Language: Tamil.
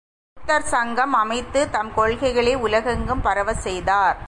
புத்தர் சங்கம் அமைத்துத் தம் கொள்கைகளை உலகெங்கும் பரவச் செய்தார்.